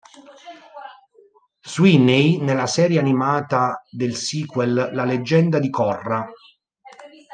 Sweeney nella serie animata del sequel "La leggenda di Korra".